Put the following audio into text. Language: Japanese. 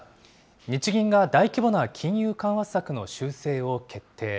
日銀が大規模な金融緩和策の修正を決定。